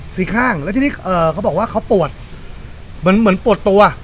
ข้างแล้วทีนี้เอ่อเขาบอกว่าเขาปวดเหมือนเหมือนปวดตัว